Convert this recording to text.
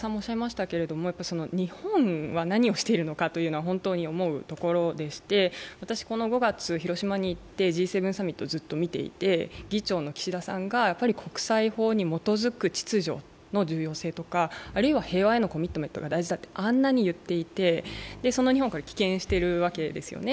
日本は何をしているのかというのは本当に思うところでして、私、この５月、広島に行ってＧ７サミットをずっと見ていて議長の岸田さんが、国際法に基づく秩序と言っていてあるいは平和へのコミットメントが大事だとあんなにも言っていて、その日本が棄権しているわけですよね。